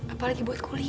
apalagi buat kuliah